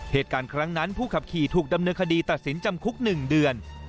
เหตุการณ์ครั้งนั้นผู้ขับขี่ถูกดำเนินคดีตัดสินจำคุก๑เดือน